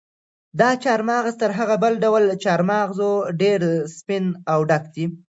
دا چهارمغز تر هغه بل ډول چهارمغز ډېر سپین او ډک دي.